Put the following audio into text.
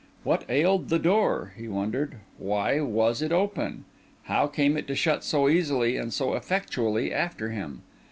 What ailed the door? he wondered. Why was it open? How came it to shut so easily and so effectually after him?